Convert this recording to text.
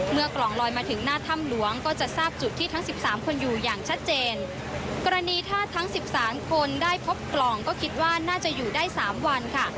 กล่องลอยมาถึงหน้าถ้ำหลวงก็จะทราบจุดที่ทั้งสิบสามคนอยู่อย่างชัดเจนกรณีถ้าทั้งสิบสามคนได้พบกล่องก็คิดว่าน่าจะอยู่ได้สามวันค่ะ